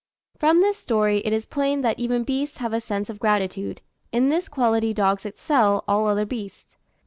From this story, it is plain that even beasts have a sense of gratitude: in this quality dogs excel all other beasts.